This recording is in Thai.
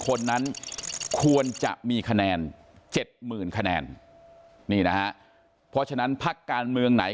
คนนั้นควรจะมีคะแนน๗๐๐๐คะแนนนี่นะฮะเพราะฉะนั้นพักการเมืองไหน